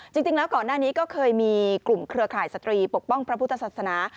จริงแล้วก่อนหน้านี้ก็เคยมีกลุ่มเครือข่ายสตรีปกป้องพระพุทธศาสนา